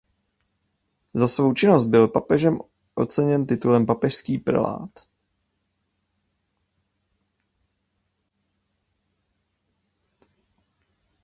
Za svou činnost byl papežem oceněn titulem papežský prelát.